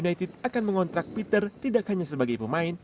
mencari pemain baru untuk mengontrak peter tidak hanya sebagai pemain